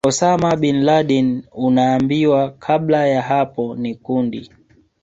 Osama Bin Laden Unaambiwa kabla ya hapo ni kundi